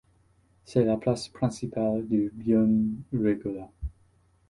C'est la place principale du Rione Regola.